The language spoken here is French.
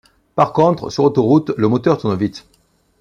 Par contre, sur autoroute, le moteur tourne vite.